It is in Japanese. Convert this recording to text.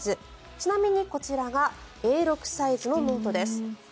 ちなみにこちらがＡ６サイズのノートです。